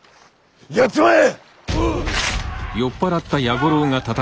やっちまえ！